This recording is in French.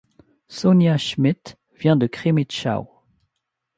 Sonja Schmidt vient de Crimmitschau.